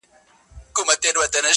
زما وجود مي خپل جانان ته نظرانه دی,